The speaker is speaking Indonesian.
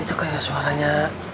itu kayak suaranya